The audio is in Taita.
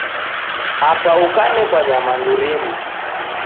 Apa ukanekwa nyamandu rimu